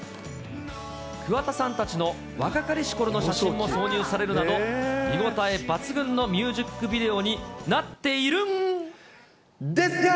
桑田さんたちの若かりしころの写真も挿入されるなど、見応え抜群のミュージックビデオになっているん。